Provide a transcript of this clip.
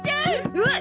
うわっ！